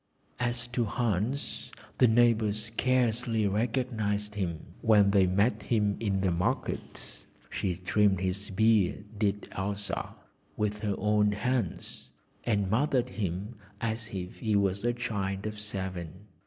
As to Hans, the neighbours scarcely recognised him when they met him in the markets; she trimmed his beard, did Elsa, with her own hands, and mothered him as if he were a child of seven.